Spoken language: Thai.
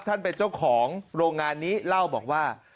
เป็นเจ้าของโรงงานนี้เล่าบอกว่า